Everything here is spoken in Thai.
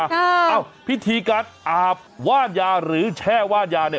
เอ้าพิธีการอาบว่านยาหรือแช่ว่านยาเนี่ย